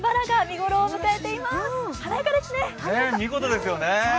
見事ですよね。